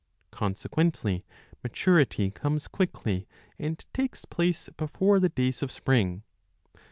Consequently maturity comes quickly and takes place before the days of spring.